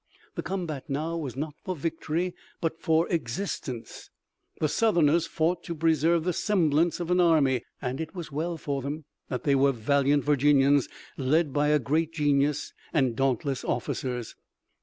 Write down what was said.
The combat now was not for victory, but for existence. The Southerners fought to preserve the semblance of an army, and it was well for them that they were valiant Virginians led by a great genius, and dauntless officers.